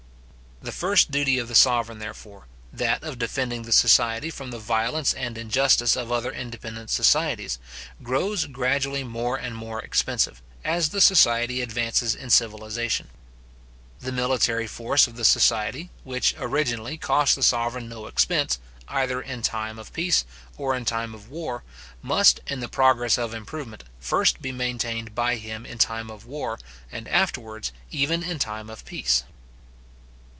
The first duty of the sovereign, therefore, that of defending the society from the violence and injustice of other independent societies, grows gradually more and more expensive, as the society advances in civilization. The military force of the society, which originally cost the sovereign no expense, either in time of peace, or in time of war, must, in the progress of improvement, first be maintained by him in time of war, and afterwards even in time of peace.